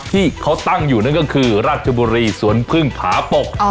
ที่เขาตั้งอยู่นั่นก็คือราชบุรีสวนพึ่งผาปก